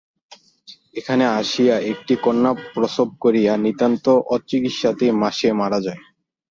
এখানে আসিয়া একটি কন্যা প্রসব করিয়া নিতান্ত অচিকিৎসাতেই সে মারা যায়।